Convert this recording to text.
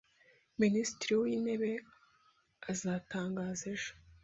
Minisitiri w’intebe azatangaza ejo.